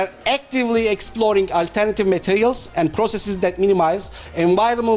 kami aktif meneliti material alternatif dan proses yang meminimalisikan impak lingkungan